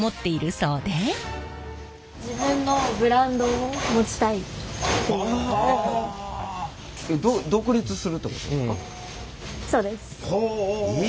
そうです。